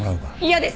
嫌です。